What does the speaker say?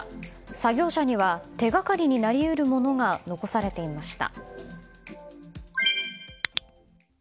作業者には手がかりになり得るものが残されていました。